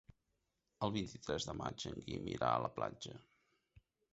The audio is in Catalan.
El vint-i-tres de maig en Guim irà a la platja.